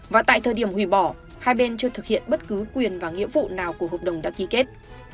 và tại thời điểm hủy bỏ hai bên chưa thực hiện bất cứ quyền và nghĩa vụ nào của hợp đồng đã ký kết